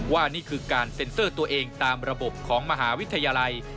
นี่คือการเซ็นเซอร์ตัวเองตามระบบของมหาวิทยาลัย